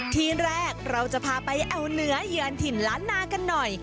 ที่แรกเราจะพาไปแอวเหนือเยือนถิ่นล้านนากันหน่อย